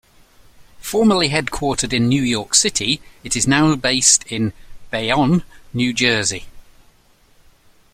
Formerly headquartered in New York City, it is now based in Bayonne, New Jersey.